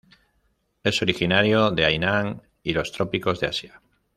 Es originario de Hainan y los trópicos de Asia.